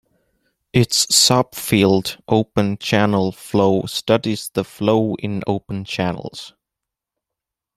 Its sub-field open channel flow studies the flow in open channels.